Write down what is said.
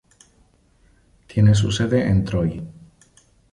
Tiene su sede en Troy.